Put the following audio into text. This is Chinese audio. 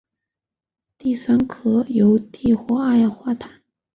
碲酸可由碲或二氧化碲被双氧水或三氧化铬氧化制备。